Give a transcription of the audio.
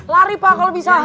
lari pak kalau bisa